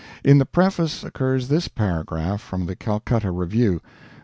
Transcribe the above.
In the preface occurs this paragraph from the Calcutta Review.